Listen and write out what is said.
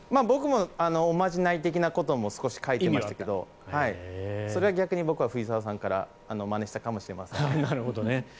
僕もおまじない的なことも少し書いてましたけどそれは逆に藤澤さんからまねしたかもしれません。